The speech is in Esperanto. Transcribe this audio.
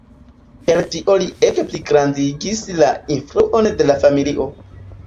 Per tio li ege pligrandigis la influon de la familio.